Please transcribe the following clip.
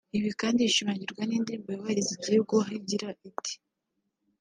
Ibi kandi bishimangirwa n’indirimbo yubahiriza Igihugu aho igira ati